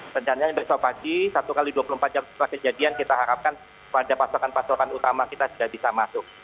rencananya besok pagi satu x dua puluh empat jam setelah kejadian kita harapkan pada pasokan pasokan utama kita sudah bisa masuk